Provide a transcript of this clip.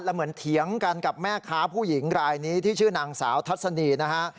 แล้วเหมือนเถียงกันกับแม่ค้าผู้หญิงรายนี้ที่ชื่อนางสาวทัศนีนะฮะ